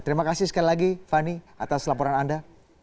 terima kasih sekali lagi fani atas laporan anda